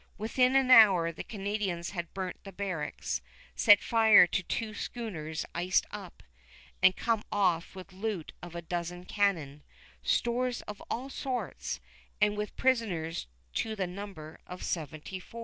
Within an hour the Canadians had burnt the barracks, set fire to two schooners iced up, and come off with loot of a dozen cannon, stores of all sorts, and with prisoners to the number of seventy four.